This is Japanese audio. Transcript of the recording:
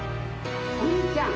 お兄ちゃん！